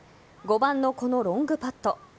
５番の、このロングパット。